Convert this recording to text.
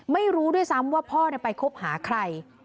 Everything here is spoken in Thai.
ไม่รู้ด้วยซ้ำว่าพ่อไปคบหาใคร